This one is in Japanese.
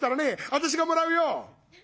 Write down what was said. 私がもらうよ」。